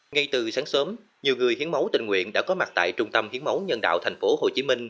ngay từ sáng sớm nhiều người hiến máu tình nguyện đã có mặt tại trung tâm hiến máu nhân đạo tp hcm